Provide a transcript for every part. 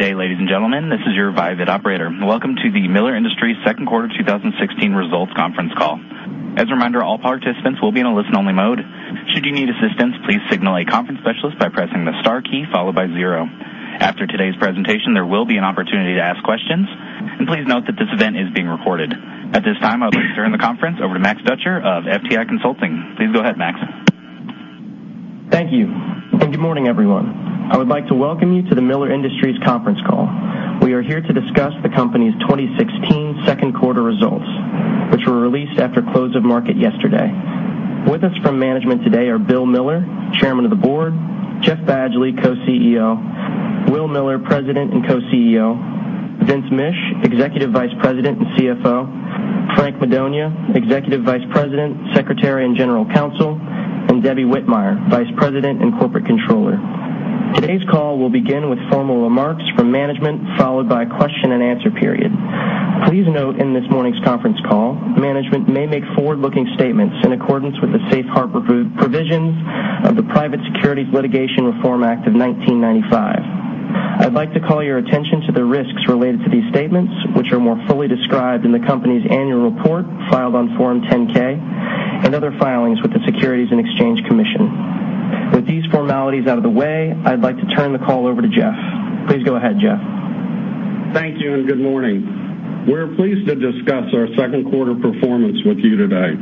Good day, ladies and gentlemen. This is your ViaVid operator. Welcome to the Miller Industries second quarter 2016 results conference call. As a reminder, all participants will be in a listen-only mode. Should you need assistance, please signal a conference specialist by pressing the star key followed by zero. After today's presentation, there will be an opportunity to ask questions. Please note that this event is being recorded. At this time, I would like to turn the conference over to Max Dutcher of FTI Consulting. Please go ahead, Max. Thank you. Good morning, everyone. I would like to welcome you to the Miller Industries conference call. We are here to discuss the company's 2016 second quarter results, which were released after close of market yesterday. With us from management today are Bill Miller, Chairman of the Board, Jeff Badgley, Co-CEO, Will Miller, President and Co-CEO, Vince Mish, Executive Vice President and CFO, Frank Madonia, Executive Vice President, Secretary and General Counsel, and Debbie Whitmire, Vice President and Corporate Controller. Today's call will begin with formal remarks from management, followed by a question and answer period. Please note in this morning's conference call, management may make forward-looking statements in accordance with the safe harbor provisions of the Private Securities Litigation Reform Act of 1995. I'd like to call your attention to the risks related to these statements, which are more fully described in the company's annual report filed on Form 10-K and other filings with the Securities and Exchange Commission. With these formalities out of the way, I'd like to turn the call over to Jeff. Please go ahead, Jeff. Thank you. Good morning. We're pleased to discuss our second quarter performance with you today.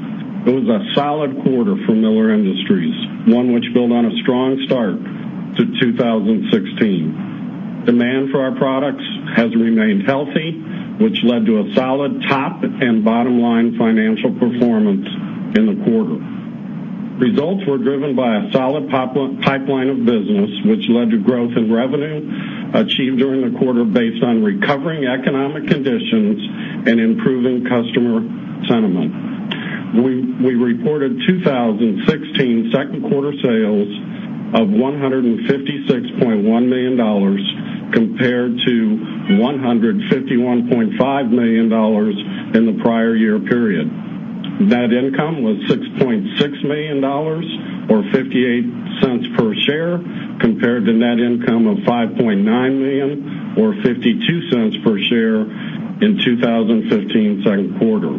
It was a solid quarter for Miller Industries, one which built on a strong start to 2016. Demand for our products has remained healthy, which led to a solid top and bottom line financial performance in the quarter. Results were driven by a solid pipeline of business, which led to growth in revenue achieved during the quarter based on recovering economic conditions and improving customer sentiment. We reported 2016 second quarter sales of $156.1 million compared to $151.5 million in the prior year period. Net income was $6.6 million, or $0.58 per share, compared to net income of $5.9 million or $0.52 per share in 2015 second quarter.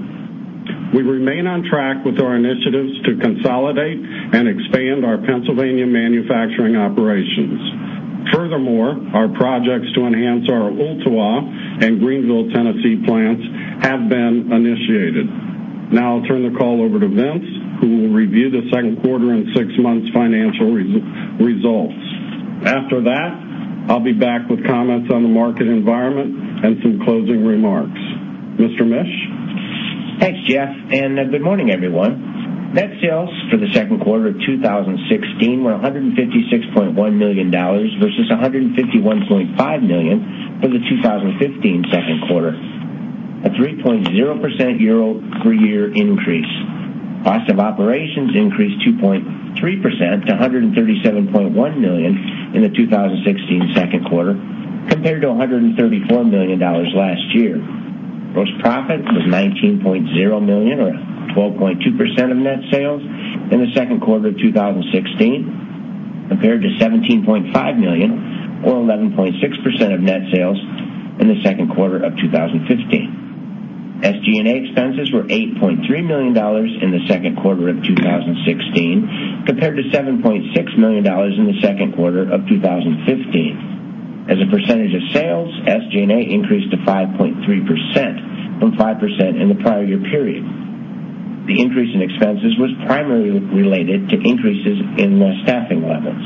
We remain on track with our initiatives to consolidate and expand our Pennsylvania manufacturing operations. Our projects to enhance our Ooltewah and Greenville, Tennessee plants have been initiated. I'll turn the call over to Vince, who will review the second quarter and six months financial results. After that, I'll be back with comments on the market environment and some closing remarks. Mr. Mish? Thanks, Jeff, good morning, everyone. Net sales for the second quarter of 2016 were $156.1 million, versus $151.5 million for the 2015 second quarter, a 3.0% year-over-year increase. Cost of operations increased 2.3% to $137.1 million in the 2016 second quarter, compared to $134 million last year. Gross profit was $19.0 million or 12.2% of net sales in the second quarter of 2016, compared to $17.5 million or 11.6% of net sales in the second quarter of 2015. SG&A expenses were $8.3 million in the second quarter of 2016, compared to $7.6 million in the second quarter of 2015. As a percentage of sales, SG&A increased to 5.3% from 5% in the prior year period. The increase in expenses was primarily related to increases in staffing levels.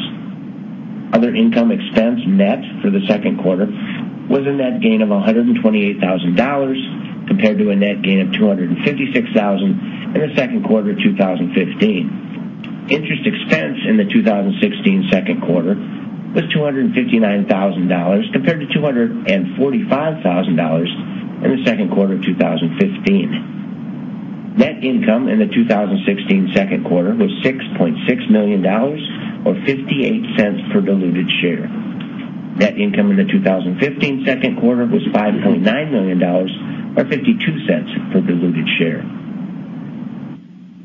Other income expense net for the second quarter was a net gain of $128,000, compared to a net gain of $256,000 in the second quarter of 2015. Interest expense in the 2016 second quarter was $259,000, compared to $245,000 in the second quarter of 2015. Net income in the 2016 second quarter was $6.6 million, or $0.58 per diluted share. Net income in the 2015 second quarter was $5.9 million, or $0.52 per diluted share.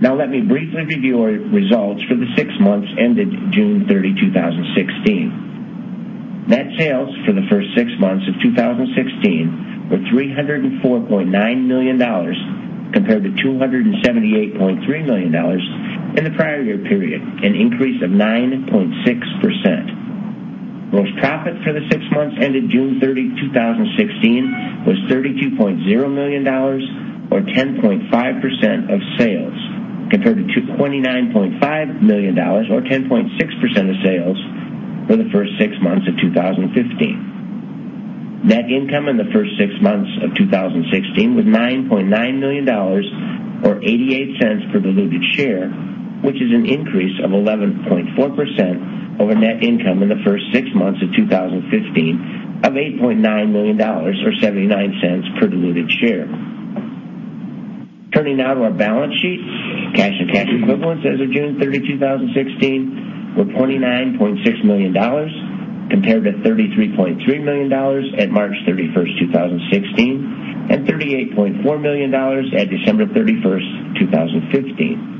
Let me briefly review our results for the six months ended June 30, 2016. Net sales for the first six months of 2016 were $304.9 million, compared to $278.3 million in the prior year period, an increase of 9.6%. Gross profit for the six months ended June 30, 2016 was $32.0 million or 10.5% of sales, compared to $29.5 million or 10.6% of sales for the first six months of 2015. Net income in the first six months of 2016 was $9.9 million, or $0.88 per diluted share, which is an increase of 11.4% over net income in the first six months of 2015 of $8.9 million or $0.79 per diluted share. Turning to our balance sheet. Cash and cash equivalents as of June 30, 2016, were $29.6 million, compared to $33.3 million at March 31st, 2016, and $38.4 million at December 31st, 2015.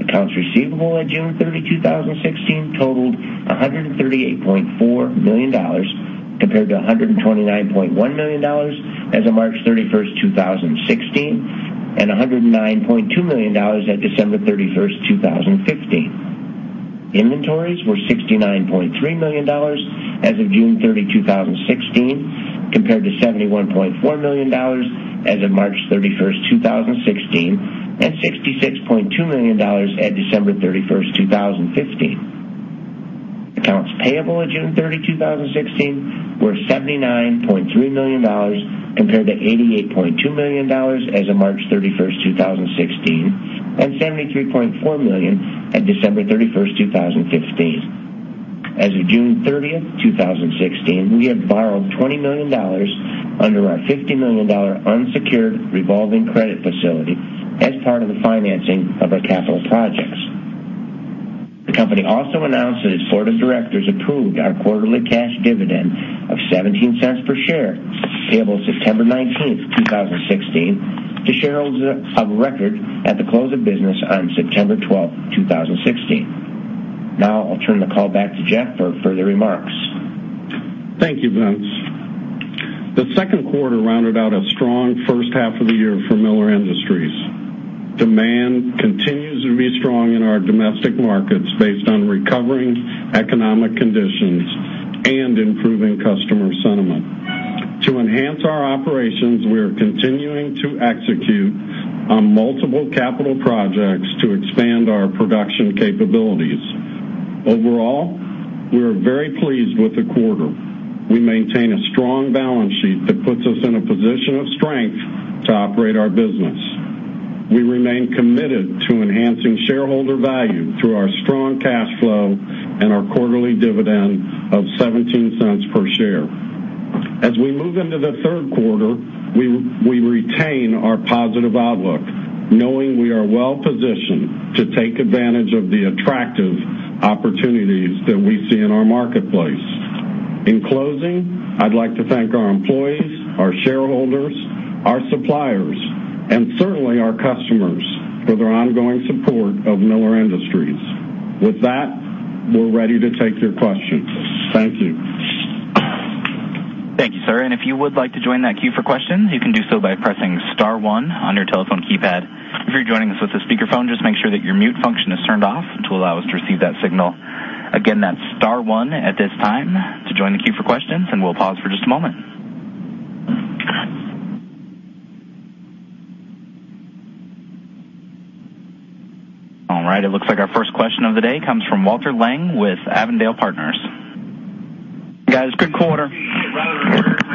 Accounts receivable on June 30, 2016 totaled $138.4 million compared to $129.1 million as of March 31st, 2016, and $109.2 million at December 31st, 2015. Inventories were $69.3 million as of June 30, 2016 compared to $71.4 million as of March 31st, 2016 and $66.2 million at December 31st, 2015. Accounts payable on June 30, 2016 were $79.3 million compared to $88.2 million as of March 31st, 2016 and $73.4 million at December 31st, 2015. As of June 30th, 2016, we have borrowed $20 million under our $50 million unsecured revolving credit facility as part of the financing of our capital projects. The company also announced that its board of directors approved our quarterly cash dividend of $0.17 per share payable September 19th, 2016 to shareholders of record at the close of business on September 12th, 2016. I'll turn the call back to Jeff for further remarks. Thank you, Vince. The second quarter rounded out a strong first half of the year for Miller Industries. Demand continues to be strong in our domestic markets based on recovering economic conditions and improving customer sentiment. To enhance our operations, we are continuing to execute on multiple capital projects to expand our production capabilities. Overall, we are very pleased with the quarter. We maintain a strong balance sheet that puts us in a position of strength to operate our business. We remain committed to enhancing shareholder value through our strong cash flow and our quarterly dividend of $0.17 per share. As we move into the third quarter, we retain our positive outlook knowing we are well positioned to take advantage of the attractive opportunities that we see in our marketplace. In closing, I'd like to thank our employees, our shareholders, our suppliers, and certainly our customers for their ongoing support of Miller Industries. With that, we're ready to take your questions. Thank you. Thank you, sir. If you would like to join that queue for questions, you can do so by pressing star one on your telephone keypad. If you're joining us with the speaker phone, just make sure that your mute function is turned off to allow us to receive that signal. Again, that's star one at this time to join the queue for questions, and we'll pause for just a moment. All right. It looks like our first question of the day comes from Walter Lang with Avondale Partners. Guys, good quarter.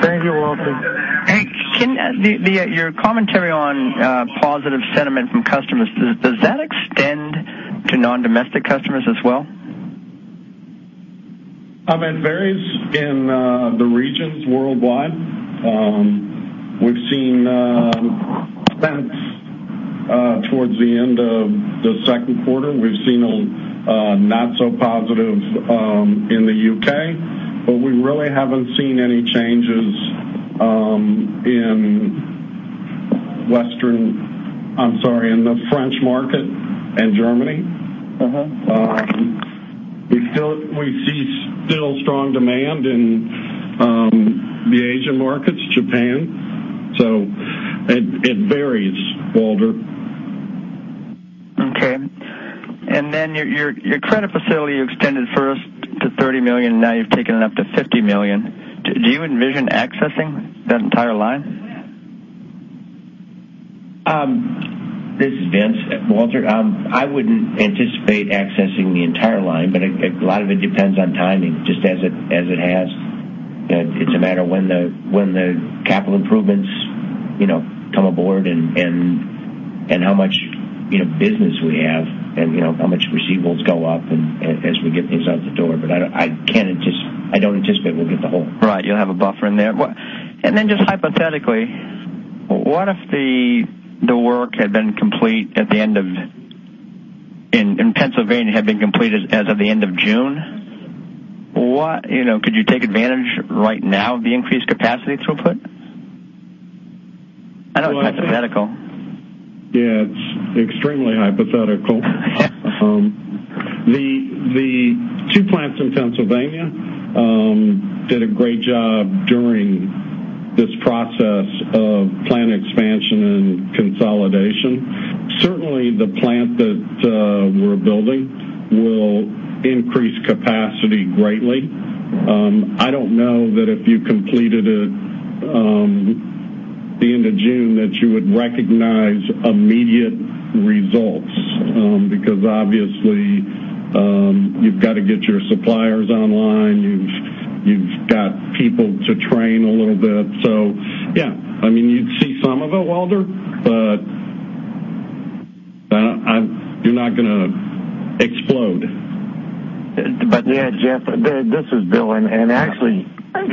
Thank you, Walter. Hey, your commentary on positive sentiment from customers, does that extend to non-domestic customers as well? It varies in the regions worldwide. We've seen [fence] towards the end of the second quarter. We've seen a not so positive in the U.K., We really haven't seen any changes in the French market and Germany. We see still strong demand in the Asian markets, Japan. It varies, Walter. Okay. Your credit facility extended first to $30 million, now you've taken it up to $50 million. Do you envision accessing that entire line? This is Vince. Walter, I wouldn't anticipate accessing the entire line, a lot of it depends on timing, just as it has. It's a matter when the capital improvements come aboard and how much business we have and how much receivables go up as we get things out the door. I don't anticipate we'll get the whole. Right. You'll have a buffer in there. Just hypothetically, what if the work had been complete at the end of, in Pennsylvania, had been completed as of the end of June? Could you take advantage right now of the increased capacity throughput? I know it's hypothetical. Yeah. It is extremely hypothetical. Yeah. The two plants in Pennsylvania did a great job during this process of plant expansion and consolidation. Certainly, the plant that we are building will increase capacity greatly. I do not know that if you completed it the end of June that you would recognize immediate results. Because obviously, you have got to get your suppliers online. You have got people to train a little bit. Yeah, you would see some of it, Walter, but you are not going to explode. Yeah, Jeff, this is Bill. actually,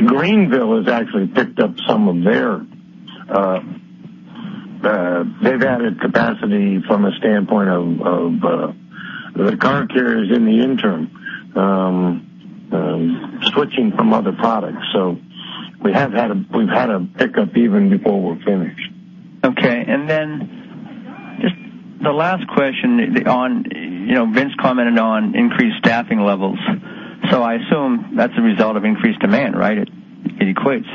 Greenville has actually picked up. They have added capacity from a standpoint of the car carriers in the interim, switching from other products. We have had a pickup even before we are finished. Okay. Just the last question on, Vince commented on increased staffing levels. I assume that is a result of increased demand, right? It equates.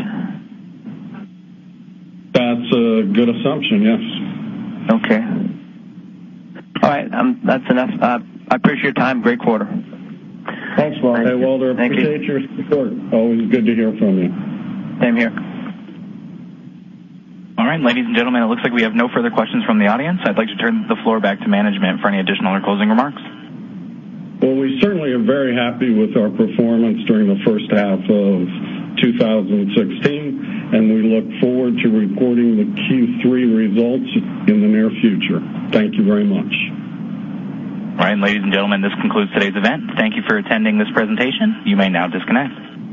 That's a good assumption. Yes. Okay. All right. That's enough. I appreciate your time. Great quarter. Thanks, Walter. Thank you. Appreciate your support. Always good to hear from you. Same here. All right. Ladies and gentlemen, it looks like we have no further questions from the audience. I'd like to turn the floor back to management for any additional or closing remarks. Well, we certainly are very happy with our performance during the first half of 2016, and we look forward to reporting the Q3 results in the near future. Thank you very much. All right. Ladies and gentlemen, this concludes today's event. Thank you for attending this presentation. You may now disconnect.